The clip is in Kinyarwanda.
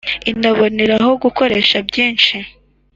inaboneraho gukoresha byinshi